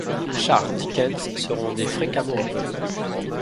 Charles Dickens se rendait fréquemment au pub.